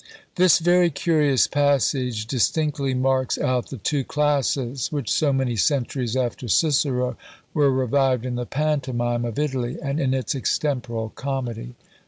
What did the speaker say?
" This very curious passage distinctly marks out the two classes, which so many centuries after Cicero were revived in the Pantomime of Italy, and in its Extemporal Comedy.